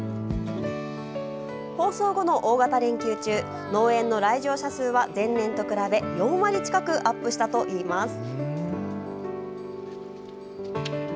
放送後の大型連休中農園の来場者数は前年と比べ４割近くアップしたといいます。